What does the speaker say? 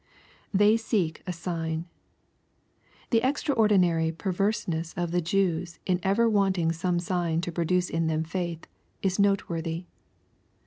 [TTiey seek a sign,] The extraording^ry perverseness of the Jewfi in ever wanting some sign to produce in them faith, is note wor thy.